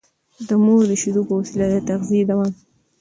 د مور د شېدو په وسيله د تغذيې دوام